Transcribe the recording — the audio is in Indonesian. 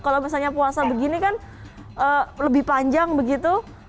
kalau misalnya puasa begini kan lebih panjang begitu